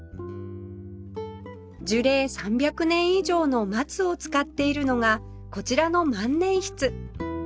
樹齢３００年以上の松を使っているのがこちらの万年筆